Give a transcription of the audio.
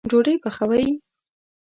ډوډۍ پخوئ